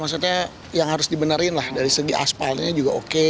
maksudnya yang harus dibenerin lah dari segi asfalnya juga oke